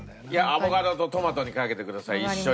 アボカドとトマトにかけてください一緒に。